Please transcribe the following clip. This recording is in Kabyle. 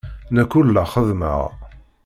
Nekk ur la xeddmeɣ.